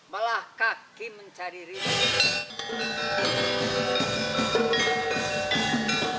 malah kaki mencari rizki